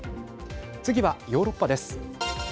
次はヨーロッパです。